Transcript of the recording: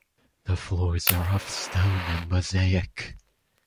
The floors are of stone and mosaic.